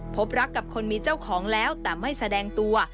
พบรักกับคนมีเจ้าของแล้วแต่ไม่แสดงตัว